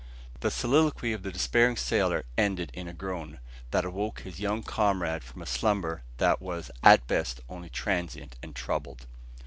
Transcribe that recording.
The soliloquy of the despairing sailor ended in a groan, that awoke his young comrade from a slumber that was at best only transient and troubled.